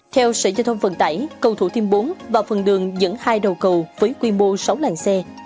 theo sở giao thông vận tải cầu thủ thiêm bốn và phần đường dẫn hai đầu cầu với quy mô sáu làng xe